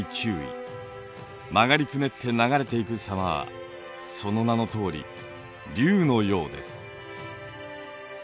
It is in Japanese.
曲がりくねって流れていく様はその名のとおり竜のようです。